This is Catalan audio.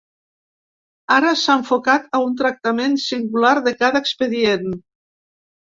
Ara s’ha enfocat a un tractament singular de cada expedient.